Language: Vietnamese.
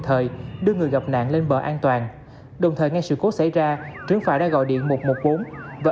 thời đưa người gặp nạn lên bờ an toàn đồng thời ngay sự cố xảy ra trưởng phà đã gọi điện một trăm một mươi bốn và